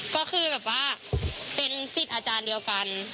ก็คือแบบว่าเป็นสิทธิ์อาจารย์เดียวกัน